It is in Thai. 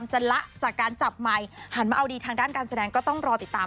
ภาพยนตร์เรื่องนี้นะคะคาดว่าจะใช้ระยะเวลาในการถ่ายธรรมประมาณ๒เดือนเสร็จนะคะ